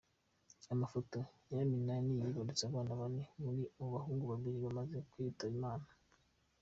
Amafoto: Nyiraminani yibarutse abana bane, muri bo abahungu babiri bamaze kwitaba Imana.